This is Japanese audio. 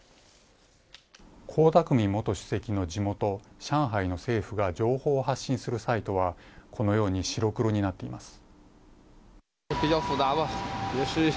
江沢民元主席の地元上海の政府が情報を発信するサイトはこのように白黒になっています。